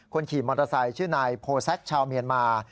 คนขี่มอเตอร์ไซค์ชื่อนายโพแซคชาวเมียนมา